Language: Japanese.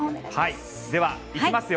ではいきますよ。